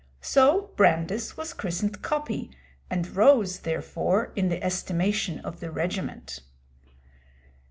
So Brandis was christened 'Coppy,' and rose, therefore, in the estimation of the regiment.